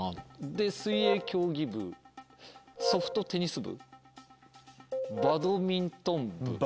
で水泳競技部ソフトテニス部バドミントン部。